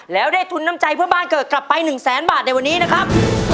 แล้วได้ทุนน้ำใจเพื่อบ้านเกิดกลับไป๑แสนบาทในวันนี้นะครับ